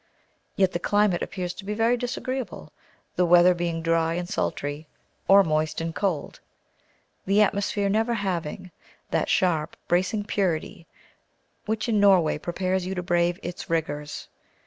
Yet the climate appears to be very disagreeable, the weather being dry and sultry, or moist and cold; the atmosphere never having that sharp, bracing purity, which in Norway prepares you to brave its rigours.